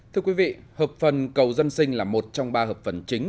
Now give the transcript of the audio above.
thưa quý vị hợp phần cầu dân sinh là một trong ba hợp phần chính